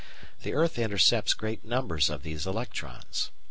The earth intercepts great numbers of these electrons.